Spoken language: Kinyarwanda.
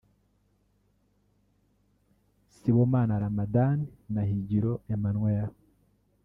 Sibomana Ramadhan na Higiro Emmanuel